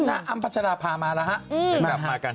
อัมปัชฌาภามาแล้วฮะ